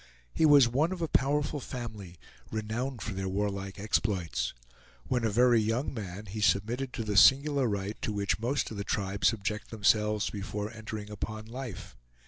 He was one of a powerful family, renowned for their warlike exploits. When a very young man, he submitted to the singular rite to which most of the tribe subject themselves before entering upon life.